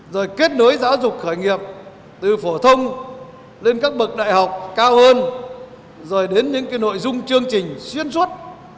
rồi kết nối giáo dục khởi nghiệp từ phổ thông lên các bậc đại học cao hơn rồi đến những nội dung chương trình xuyên suốt